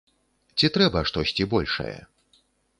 Ці трэба штосьці большае?